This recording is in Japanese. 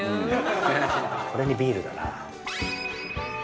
「これにビールだな」